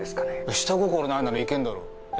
下心ないなら行けんだろ。